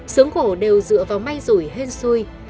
sướng khổ đều dựa vào may rủi hên xui